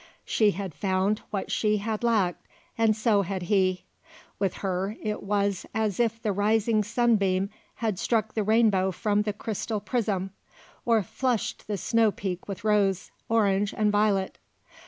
She had found what she had lacked, and so had he. With her it was as if the rising sunbeam had struck the rainbow from the crystal prism, or flushed the snow peak with rose, orange, and violet.